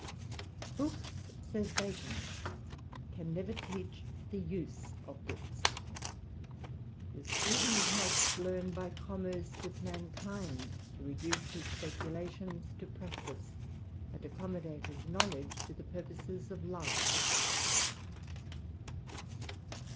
Books, says Bacon, can never teach the use of books^ The student must learn by commerce with mankind tcr reduce his speculations to practice, and accommodate his knowledge to the purposes of life.